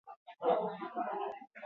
Hazkuntza ingurua gorri kolorekoa da.